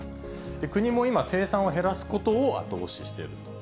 国も今、生産を減らすことを後押ししている。